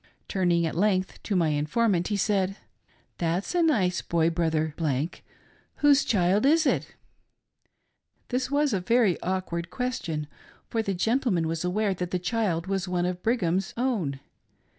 Turning at length to my informant he said :" That's a nice boy. Brother . Whose child is it .'" This was a very awkward question, for the gentleman was aware that the child was one of Brigham's own.